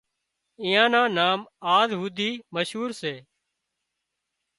اينئان نام آز هوڌي مشهور سي